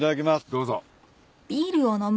どうぞ。